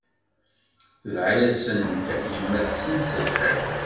Tedɛa-yasent yemma-tsent s lxir.